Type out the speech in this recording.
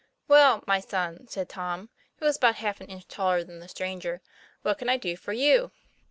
'Well, my son," said Tom, who was about half an inch taller than the stranger, "what can I do for you?"